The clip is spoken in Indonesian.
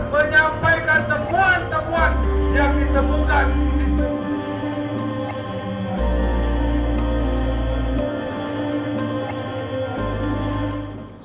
menyampaikan temuan temuan yang ditemukan di sini